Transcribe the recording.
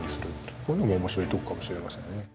こういうのも面白いとこかもしれませんね。